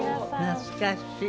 懐かしい。